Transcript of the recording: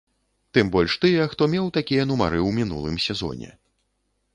Тым больш тыя, хто меў такія нумары ў мінулым сезоне.